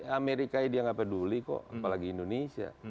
amerikanya dia tidak peduli kok apalagi indonesia